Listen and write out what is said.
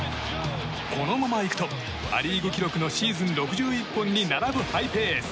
このままいくとア・リーグ記録のシーズン６１本に並ぶハイペース。